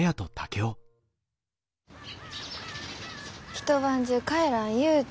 一晩中帰らんゆうて。